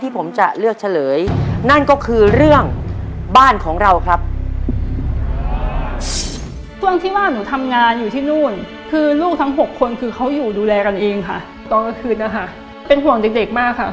เป็นห่วงเด็กมากค่ะ